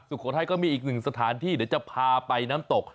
สุโขทัยก็มีอีกหนึ่งสถานที่เดี๋ยวจะพาไปน้ำตก